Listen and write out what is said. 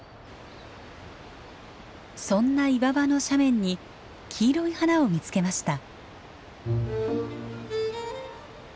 そんな岩場の斜面に黄色い花を見つけました。